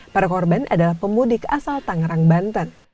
para korban adalah pemudik asal tangerang banten